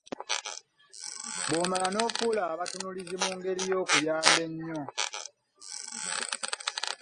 Bw’omala n’ofuula abatunuulizi mu ngeri eyo kiyamba nnyo.